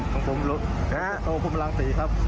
ของผมหลวงพระโตคุมลังศรีครับ